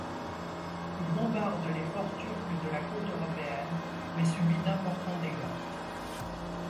Il bombarde les forts turcs de la côte européenne, mais subit d'importants dégâts.